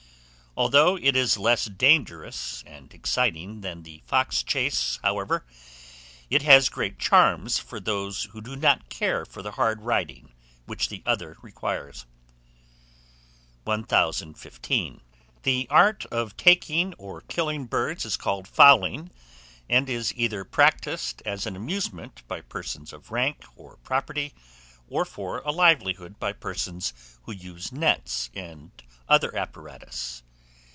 Although it is less dangerous and exciting than the fox chase, however, it has great charms for those who do not care for the hard riding which the other requires. 1015. THE ART OF TAKING OR KILLING BIRDS is called "fowling," and is either practised as an amusement by persons of rank or property, or for a livelihood by persons who use nets and other apparatus.